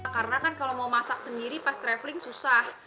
karena kan kalau mau masak sendiri pas traveling susah